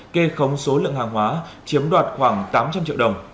kê khống số lượng hàng hóa chiếm đoạt khoảng tám trăm linh triệu đồng